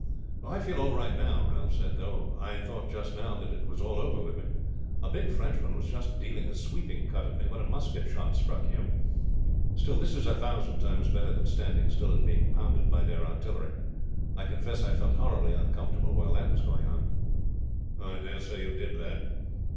"I feel all right now," Ralph said; "though I thought just now that it was all over with me. A big Frenchman was just dealing a sweeping cut at me when a musket shot struck him. Still this is a thousand times better than standing still and being pounded by their artillery. I confess I felt horribly uncomfortable while that was going on." "I dare say you did, lad."